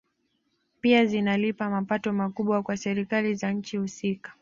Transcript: Pia zinalipa mapato makubwa kwa Serikali za nchi husika